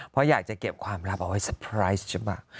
เพราะอยากจะเก็บความลับเอาให้สเปรย์ไพรส์